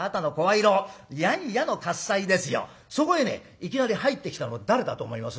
いきなり入ってきたの誰だと思います？